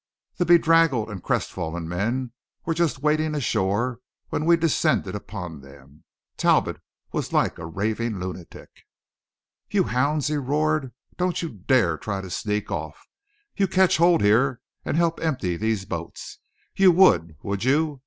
The bedraggled and crestfallen men were just wading ashore when we descended upon them. Talbot was like a raving lunatic. "You hounds!" he roared. "Don't you dare try to sneak off! You catch hold here and help empty these boats! You would, would you?"